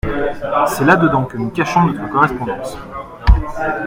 C’est là dedans que nous cachons notre correspondance.